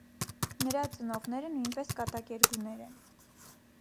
Նրա ծնողները նույնպես կատակերգուներ են։